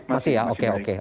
masih ya oke oke